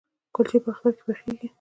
کلچې په اختر کې پخیږي؟